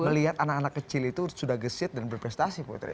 melihat anak anak kecil itu sudah gesit dan berprestasi putri